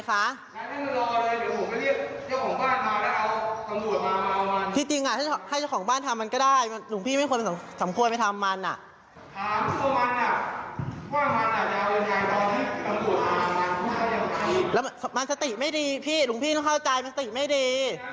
แล้วมันสติไม่ดีพี่หลวงพี่ต้องเข้าใจมันสติไม่ดี